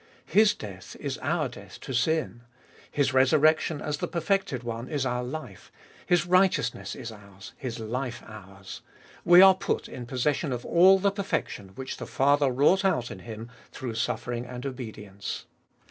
His death is our death to sin, His resurrection as the perfected One is our life, His righteous ness is ours, His life ours ; we are put in possession of all the perfection which the Father wrought out in Him through suffering and obedience.